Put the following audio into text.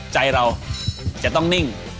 ใจเราจะต้องนิ่ง